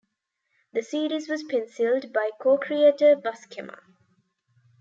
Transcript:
The series was penciled by co-creator Buscema.